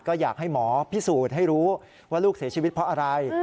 ก็อยากให้หมอพิสูจน์ให้รู้ว่าลูกเสียชีวิตเพราะอะไร